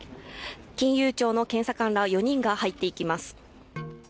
金融庁の検査官ら４人が入っていきます。